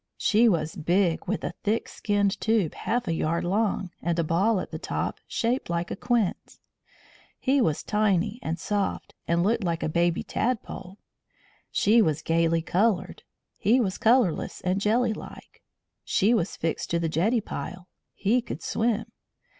She was big, with a thick skinned tube half a yard long, and a ball at the top shaped like a quince; he was tiny and soft, and looked like a baby tadpole. She was gaily coloured; he was colourless and jelly like. She was fixed to the jetty pile; he could swim.